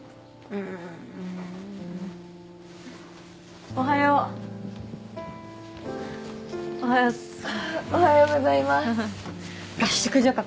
うーんおはようおはよっすおはようございます合宿所か